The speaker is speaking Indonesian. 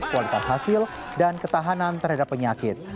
kualitas hasil dan ketahanan terhadap penyakit